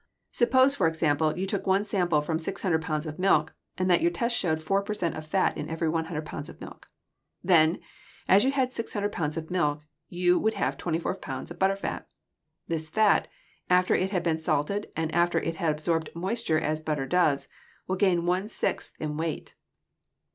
Suppose, for example, you took one sample from 600 pounds of milk and that your test showed 4 per cent of fat in every 100 pounds of milk. Then, as you had 600 pounds of milk, you would have 24 pounds of butter fat. This fat, after it has been salted and after it has absorbed moisture as butter does, will gain one sixth in weight.